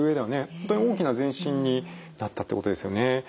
本当に大きな前進になったってことですよね。